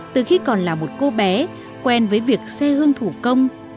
từ khi còn là một cô bé quen với việc xe hương thủ công